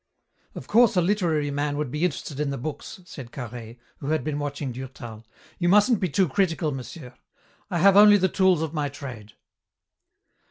"Of course a literary man would be interested in the books," said Carhaix, who had been watching Durtal. "You mustn't be too critical, monsieur. I have only the tools of my trade."